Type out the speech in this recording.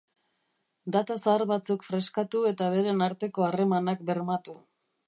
Data zahar batzuk freskatu eta beren arteko harremanak bermatu.